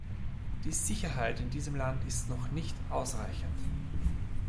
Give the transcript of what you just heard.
Die Sicherheit in diesem Land ist noch nicht ausreichend.